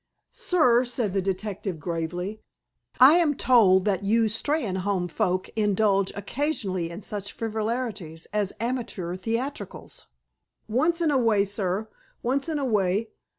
"Sir," said the detective gravely, "I am told that you Steynholme folk indulge occasionally in such frivolities as amateur theatricals?" "Once in a way, sir. Once in a way.